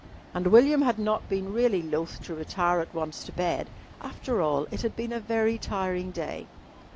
And William had not been really loth to retire at once to bed. After all, it had been a very tiring day.